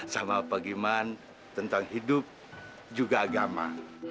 sama pak giman tentang hidup juga agama